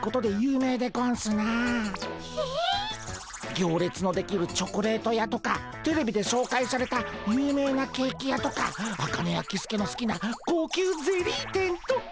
行列の出来るチョコレート屋とかテレビで紹介された有名なケーキ屋とかアカネやキスケのすきな高級ゼリー店とか。